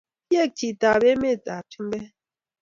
Keiek chito ab emet ab chumbek